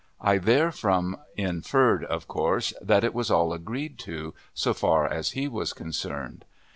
I therefrom inferred, of course, that it was all agreed to so far as he was concerned.